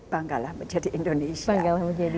banggalah menjadi indonesia